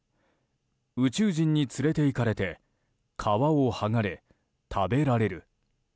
宇宙人に連れていかれて皮を剥がれ、食べられる。